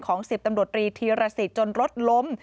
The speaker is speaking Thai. ของ๑๐ตำรวจตรีธีรศิจนรถล้ม